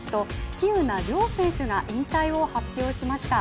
喜友名諒選手が引退を発表しました。